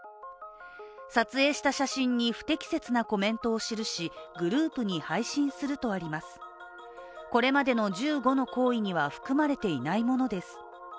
撮影した写真に不適切なコメントを記しグループに配信するとあります、これまでの１５の行為には含まれていないものです。